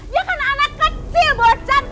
dia kan anak kecil bosan